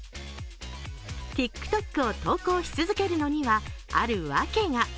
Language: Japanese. ＴｉｋＴｏｋを投稿し続けるのには、あるワケが。